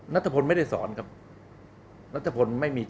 ไม่เคยมีการร้องเรียน